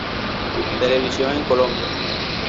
Televisión en Colombia